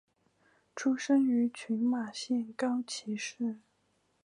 出身于群马县高崎市。